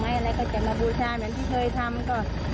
แม่ก็มาปูชาอย่างที่เคยทำ